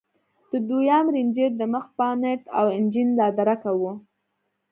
د دويم رېنجر د مخ بانټ او انجن لادرکه و.